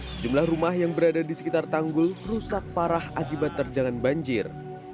sejumlah rumah yang berada di sekitar tanggul rusak parah akibat terjangan banjir